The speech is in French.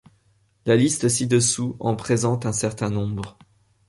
La liste ci-dessous en présente un certain nombre.